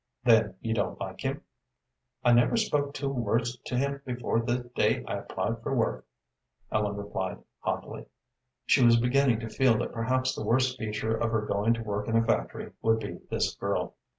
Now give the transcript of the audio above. "Then you don't like him?" "I never spoke two words to him before the day I applied for work," Ellen replied, haughtily. She was beginning to feel that perhaps the worst feature of her going to work in a factory would be this girl.